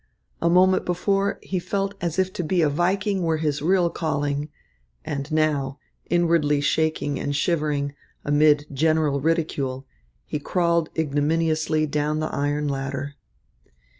A moment before, he felt as if to be a Viking were his real calling, and now, inwardly shaking and shivering, amid general ridicule, he crawled ignominiously down the iron ladder.